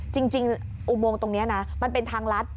อุโมงตรงนี้นะมันเป็นทางลัด